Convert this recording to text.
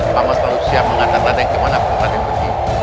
pak man selalu siap mengantar raden kemana pun raden pergi